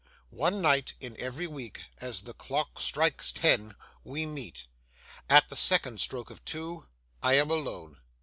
One night in every week, as the clock strikes ten, we meet. At the second stroke of two, I am alone.